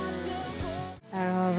なるほど。